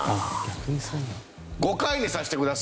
５回にさせてください。